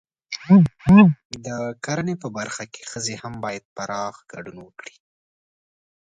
د کرنې په برخه کې ښځې هم باید پراخ ګډون وکړي.